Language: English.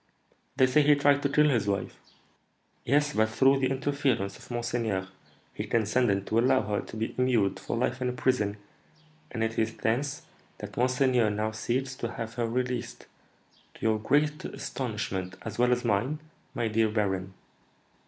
"They say he tried to kill his wife." "Yes; but, through the interference of monseigneur, he consented to allow her to be immured for life in a prison, and it is thence that monseigneur now seeks to have her released, to your great astonishment, as well as mine, my dear baron.